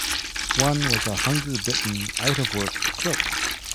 One was a hunger-bitten, out-of-work clerk.